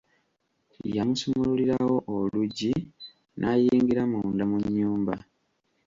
Yamusumululirawo oluggyi n'ayingira munda mu nnyumba.